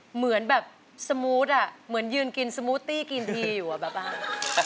เหมือนแบบสมูทอ่ะเหมือนยืนกินสมูตตี้กินทีอยู่อะแบบว่า